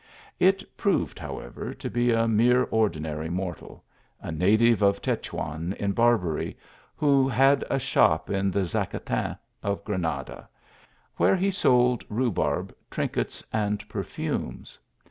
It proved, however, to be a mere ordinary mortal ; a native of Tetuan in Barbary, who had a shop in the Zacatin of Granada, where he sold rhubarb, trinkets, and perfumes.